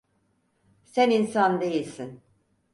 Sen insan değilsin.